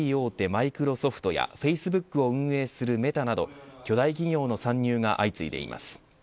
マイクロソフトやフェイスブックを運営するメタなど巨大企業の参入が相次いでいます。